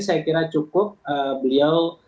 saya kira cukup beliau